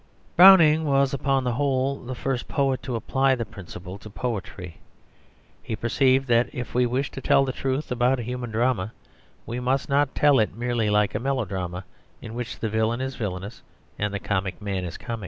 Browning was upon the whole the first poet to apply the principle to poetry. He perceived that if we wish to tell the truth about a human drama, we must not tell it merely like a melodrama, in which the villain is villainous and the comic man is comic.